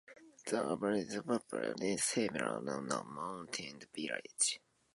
The avalanche buried several houses and trapped people in the mountain village.